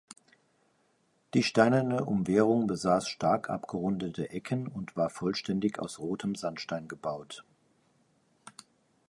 Die steinerne Umwehrung besaß stark abgerundete Ecken und war vollständig aus rotem Sandstein gebaut.